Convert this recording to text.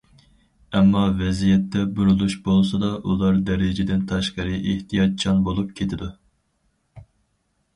ئەمما ۋەزىيەتتە بۇرۇلۇش بولسىلا، ئۇلار دەرىجىدىن تاشقىرى ئېھتىياتچان بولۇپ كېتىدۇ.